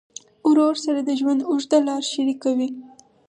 ورور سره د ژوند اوږده لار شریکه وي.